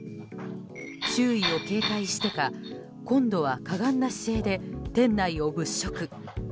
周囲を警戒してか、今度はかがんだ姿勢で店内を物色。